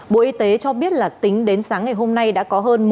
bộ y tế cho biết là tính đến sáng ngày hôm nay đã có hơn